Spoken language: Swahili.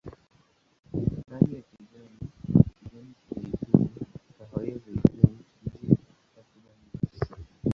Rangi yao kijani, kijani-zeituni, kahawia-zeituni, kijivu au takriban nyeusi.